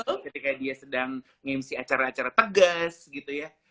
ketika dia sedang nge mc acara acara tegas gitu ya